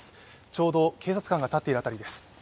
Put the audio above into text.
ちょうど警察官が立っている辺りです。